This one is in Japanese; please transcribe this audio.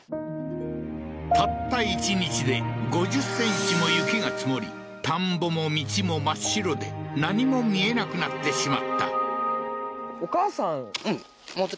たった１日で５０センチも雪が積もり田んぼも道も真っ白で何も見えなくなってしまったあっ